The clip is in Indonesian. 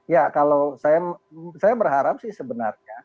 ya kalau saya berharap sih sebenarnya